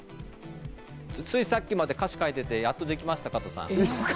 ついさっきまで歌詞を書いてて、やっとできました、加藤さん。